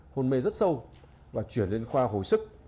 hôn mê rất sâu và chuyển lên khoa hồi sức